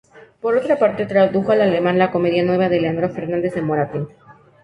Por otra parte, tradujo al alemán "La comedia nueva" de Leandro Fernández de Moratín.